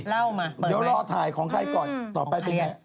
เดี๋ยวรอถ่ายของใครก่อนต่อไปเป็นไง